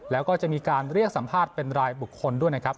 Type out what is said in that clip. แล้วก็จะมีการเรียกสัมภาษณ์เป็นรายบุคคลด้วยนะครับ